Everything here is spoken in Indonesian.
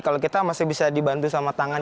kalau kita masih bisa dibantu sama tangan